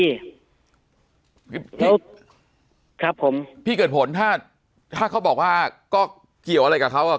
เขาครับผมพี่เกิดผลถ้าถ้าเขาบอกว่าก็เกี่ยวอะไรกับเขาอ่ะ